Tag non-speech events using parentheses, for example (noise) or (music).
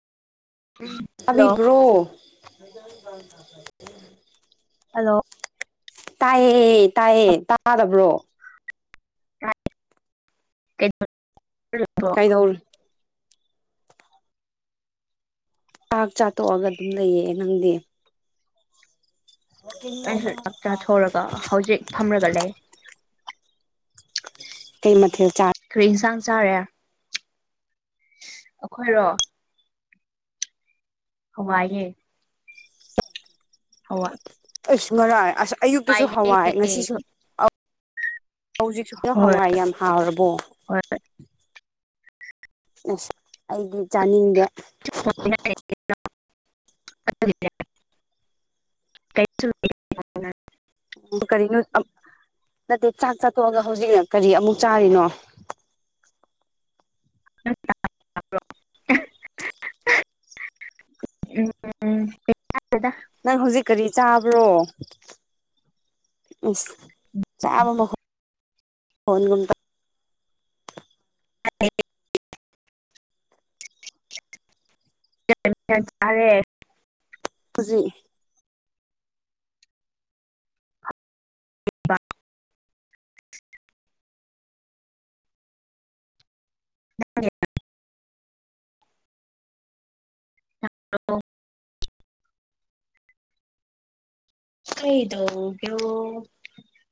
hello (unintelligible) hello ꯇꯥꯏꯌꯦ ꯇꯥꯏꯌꯦ ꯇꯥꯗꯕ꯭ꯔꯣ ꯀꯩ (unintelligible) ꯀꯩꯗꯧꯔꯤ ꯆꯥꯛ ꯆꯥꯊꯣꯛꯑꯒ ꯑꯗꯨꯝ ꯂꯩꯌꯦ ꯅꯪꯗꯤ ꯑꯩꯁꯨ ꯆꯥꯛ ꯆꯥꯊꯣꯛꯔꯒ ꯍꯧꯖꯤꯛ ꯐꯝꯔꯒ ꯂꯩ ꯀꯩ ꯃꯊꯦꯜ ꯆꯥ ꯀꯔꯤ ꯏꯟꯁꯥꯡ ꯆꯥꯔꯦ ꯑꯩꯈꯣꯏꯔꯣ ꯍꯋꯥꯢꯌꯦ ꯍꯋꯥ ꯑꯁ ꯉꯔꯥꯡ ꯑꯁ ꯑꯌꯨꯛꯇꯁꯨ ꯍꯋꯥꯏ ꯍꯋꯥꯏꯅꯦ ꯉꯁꯤꯁꯨ ꯍꯧꯖꯤꯛ ꯅꯪ ꯍꯋꯥꯏ ꯌꯥꯝ ꯍꯥꯎꯔꯕꯣ INAUDIBLE ꯑꯁ ꯑꯩꯗꯤ ꯆꯥꯅꯤꯡꯗꯦ UNINTELLIGIBLE ꯀꯔꯤꯅꯣ ꯅꯠꯇꯦ ꯆꯥꯛ ꯆꯥꯊꯣꯛꯑꯒ ꯍꯧꯖꯤꯛꯅ ꯀꯔꯤ ꯑꯃꯨꯛ ꯆꯥꯔꯤꯅꯣ (inaudible) INAUDIBLE ꯅꯪ ꯍꯧꯖꯤꯛ ꯀꯔꯤ ꯆꯥꯕ꯭ꯔꯣ ꯢꯁ ꯆꯥꯕ ꯃꯈꯣꯟꯒꯨꯝꯕ INAUDIBLE UNINTELLIGIBLE ꯆꯔꯦ ꯍꯧꯖꯤꯛ INAUDIBLE INAUDIBLE ꯀꯩꯗꯧꯕꯣꯔ